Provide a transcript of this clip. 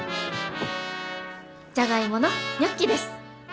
じゃがいものニョッキです。